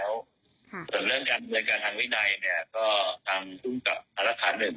ส่วนเรื่องการทางวินัยก็ตามทุ่มกับภารกษาหนึ่ง